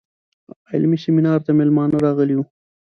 علمي سیمینار ته میلمانه راغلي وو.